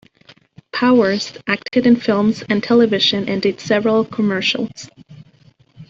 Powers acted in films and television and did several commercials.